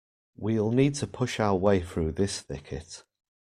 We'll need to push our way through this thicket.